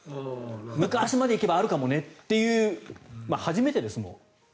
昔まで行けばあるかもねっていう初めてですもん。